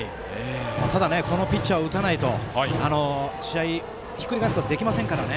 ただこのピッチャーを打たないと試合、ひっくり返すことができませんからね。